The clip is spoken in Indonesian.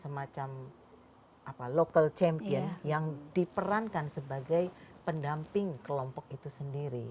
semacam local champion yang diperankan sebagai pendamping kelompok itu sendiri